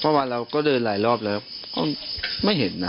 เพราะว่าเราก็เดินหลายรอบแล้วก็ไม่เห็นนะ